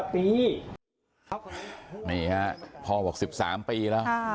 นี่ฮะพ่อบอก๑๓ปีแล้ว